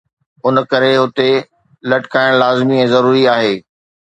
ان ڪري هتي لٽڪائڻ لازمي ۽ ضروري آهي.